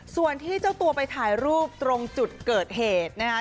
ส่วนที่เจ้าตัวไปถ่ายรูปตรงจุดเกิดเหตุนะคะ